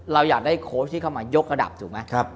เราอยากได้โค้ชที่เข้ามายกระดับถูกไหม